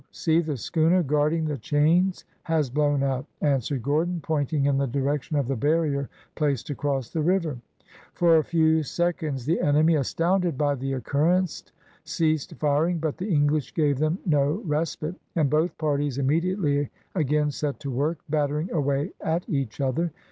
see the schooner guarding the chains has blown up," answered Gordon, pointing in the direction of the barrier placed across the river. For a few seconds the enemy, astounded by the occurrence, ceased firing, but the English gave them no respite, and both parties immediately again set to work, battering away at each other.